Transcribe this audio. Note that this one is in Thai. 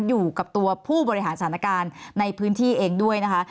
อยู่กับตัวผู้บริหารสถานการณ์ในพื้นที่เองด้วยนะคะ